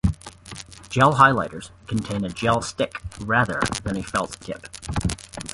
"Gel highlighters" contain a gel stick rather than a felt tip.